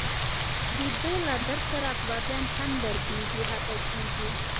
دده له درد سره اکبرجان هم دردېږي خپه کېږي.